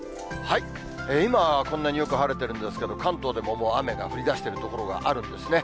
今はこんなによく晴れてるんですけど、関東でももう雨が降りだしている所があるんですね。